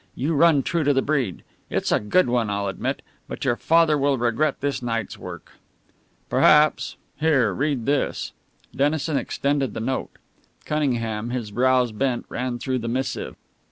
You run true to the breed. It's a good one, I'll admit. But your father will regret this night's work." "Perhaps. Here, read this." Dennison extended the note. Cunningham, his brows bent, ran through the missive.